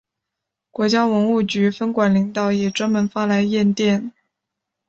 国家文物局分管领导也专门发来唁电。